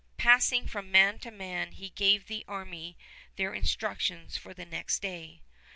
Passing from man to man, he gave the army their instructions for the next day.